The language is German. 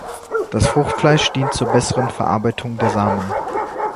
Das Fruchtfleisch dient zur besseren Verbreitung der Samen.